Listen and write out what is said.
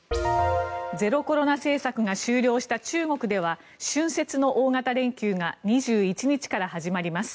ゼロコロナ政策が終了した中国では春節の大型連休が２１日から始まります。